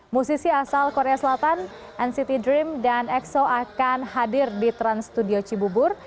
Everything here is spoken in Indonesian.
musisi asal korea selatan nct dream dan exo akan hadir di trans studio cibubur